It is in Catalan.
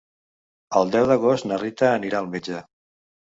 El deu d'agost na Rita anirà al metge.